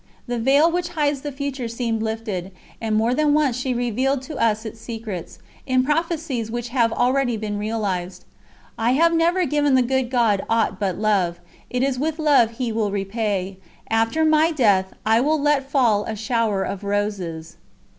The veil which hides the future seemed lifted, and more than once she revealed to us its secrets, in prophecies which have already been realised. "I have never given the Good God aught but love; it is with Love He will repay. AFTER MY DEATH I WILL LET FALL A SHOWER OF ROSES."